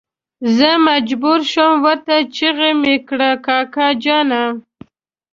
زه مجبور شوم ورته چيغه مې کړه کاکا جانه.